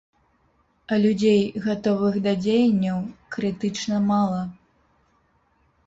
А людзей, гатовых да дзеянняў, крытычна мала.